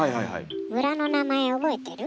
村の名前覚えてる？